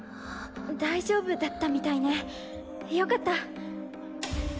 大丈夫だったみたいね。よかった。